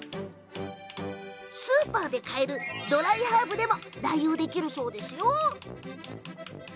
スーパーで買えるドライハーブでも代用できるそうですよ。